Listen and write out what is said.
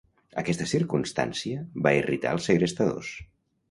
Aquesta circumstància va irritar els segrestadors.